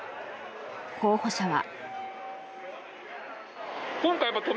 候補者は。